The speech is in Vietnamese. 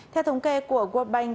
theo thống kê của world bank